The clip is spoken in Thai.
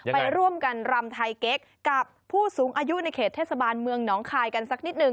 ไปร่วมกันรำไทยเก๊กกับผู้สูงอายุในเขตเทศบาลเมืองหนองคายกันสักนิดหนึ่ง